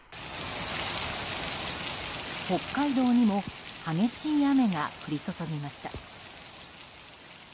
北海道にも激しい雨が降り注ぎました。